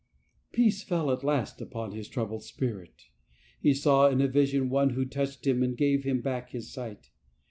... Peace fell at last upon his troubled spirit; he saw in a vision one who touched him and gave him back his sight.